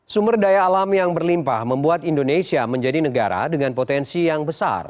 sumber daya alam yang berlimpah membuat indonesia menjadi negara dengan potensi yang besar